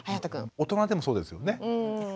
大人でもそうですよね？